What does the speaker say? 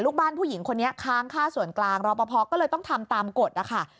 ลูกบ้านผู้หญิงคนนี้ค้างค่าส่วนกลางรอปภก็เลยต้องทำตามกฎนะคะ